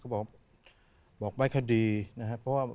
เขาบอกไม่ค่าดีนะครับ